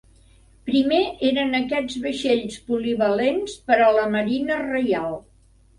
Primer eren aquests vaixells polivalents per a la Marina Reial.